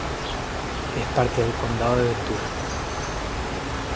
Es parte del Condado de Ventura.